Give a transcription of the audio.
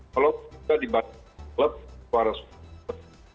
kalau sudah dibaca klub suara suara